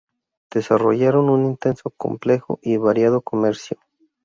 Desarrollaron un intenso, complejo, y variado comercio.